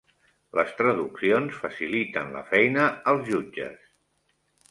Les traduccions faciliten la feina als jutges.